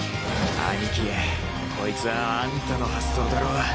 兄貴こいつぁあんたの発想だろ。